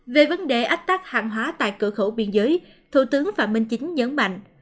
về vấn đề ách tắc hàng hóa tại cửa khẩu biên giới thủ tướng phạm minh chính nhấn mạnh